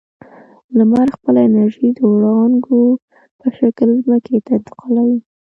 لمر خپله انرژي د وړانګو په شکل ځمکې ته انتقالوي.